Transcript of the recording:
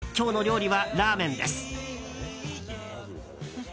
こう見えて今日の料理はラーメンです。